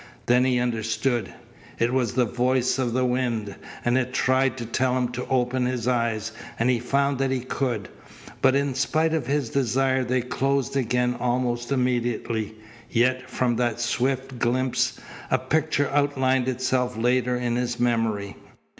Then he understood. It was the voice of the wind, and it tried to tell him to open his eyes, and he found that he could. But in spite of his desire they closed again almost immediately. Yet, from that swift glimpse, a picture outlined itself later in his memory.